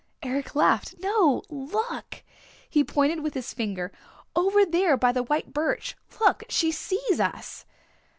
Eric laughed. "No, look!" He pointed with his finger. "Over there by the white birch. Look! She sees us."